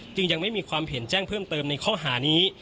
จึงยังไม่มีความเห็นแจ้งเพิ่มเติมในข้อหานี้